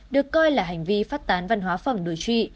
được coi là hành vi phát tán văn hóa phẩm đối trị